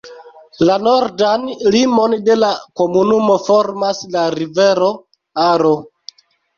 La nordan limon de la komunumo formas la rivero Aro.